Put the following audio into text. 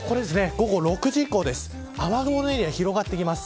午後６時以降雨雲のエリアが広がってきます。